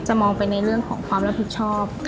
มองไปในเรื่องของความรับผิดชอบ